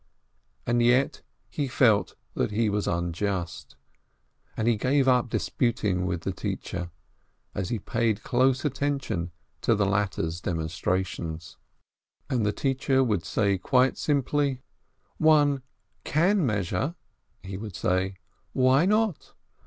And yet he felt that he was unjust, and he gave up disputing with the teacher, as he paid close attention to the latter's demonstrations. And the teacher would say quite simply : "One can measure," he would say, "why not?